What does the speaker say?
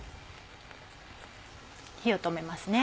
火を止めますね。